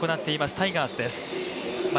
タイガースです。